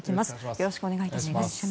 よろしくお願いします。